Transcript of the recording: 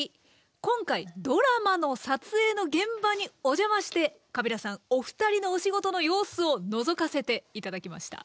今回ドラマの撮影の現場にお邪魔してカビラさんお二人のお仕事の様子をのぞかせて頂きました。